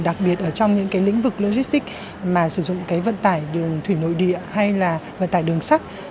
đặc biệt ở trong những lĩnh vực logistic mà sử dụng vận tải đường thủy nội địa hay là vận tải đường sắt